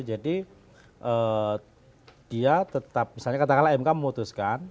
jadi dia tetap misalnya katakanlah mk memutuskan